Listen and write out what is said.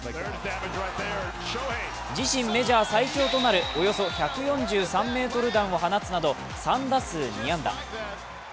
自身メジャー最長となるおよそ１４３ｍ弾を放つなど３打数２安打。